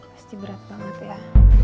pasti berat banget ya